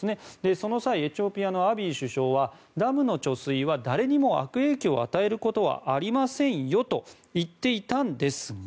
その際エチオピアのアビー首相はダムの貯水は誰にも悪影響を与えることはありませんよと言っていたんですが